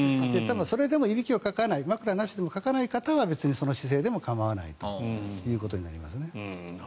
それでもいびきを枕なしでもかかない人は別にその姿勢でも構わないということになります。